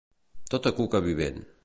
Tota cuca vivent.